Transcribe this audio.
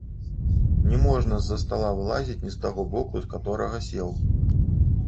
Не можна з-за стала вылазіць не з таго боку, з каторага сеў.